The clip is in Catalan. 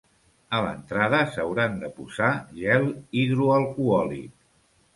A l'entrada s'hauran de posar gel hidroalcohòlic.